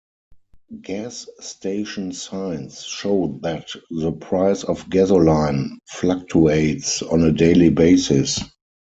Gas station signs show that the price of gasoline fluctuates on a daily basis.